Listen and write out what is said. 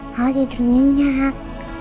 mama tidur nyenyak